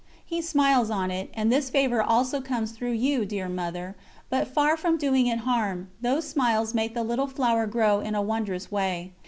He smiles on it, and this favour also comes through you, dear Mother, but far from doing it harm, those smiles make the Little Flower grow in a wondrous way.